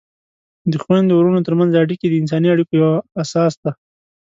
د خویندو ورونو ترمنځ اړیکې د انساني اړیکو یوه اساس ده.